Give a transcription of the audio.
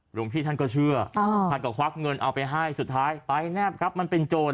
หลวงพี่ท่านก็เชื่อท่านก็ควักเงินเอาไปให้สุดท้ายไปแนบครับมันเป็นโจร